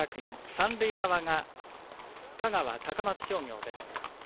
三塁側が香川、高松商業です。